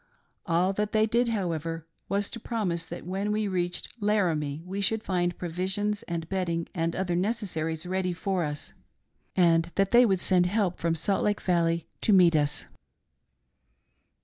All that they did, however, was to promise that when we reached Laramie we should find provisions and bedding and other necessaries ready for us, and that they would send help from Salt Lake Valley to meet us."